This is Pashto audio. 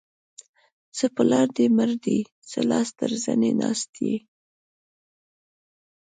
څه پلار دې مړ دی؛ چې لاس تر زنې ناست يې.